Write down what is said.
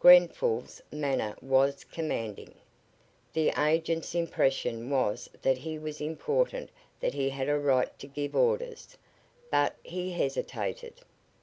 Grenfall's manner was commanding. The agent's impression was that he was important that he had a right to give orders. But he hesitated.